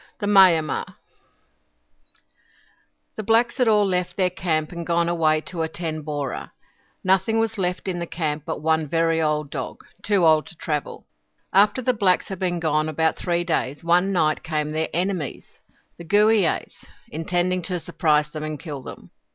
THE MAYAMAH The blacks had all left their camp and gone away to attend a borah. Nothing was left in the camp but one very old dog, too old to travel. After the blacks had been gone about three days, one night came their enemies, the Gooeeays, intending to surprise them and kill them.